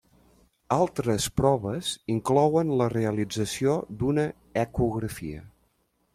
Altres proves inclouen la realització d'una ecografia.